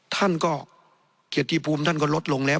ท่านก็เกียรติภูมิท่านก็ลดลงแล้ว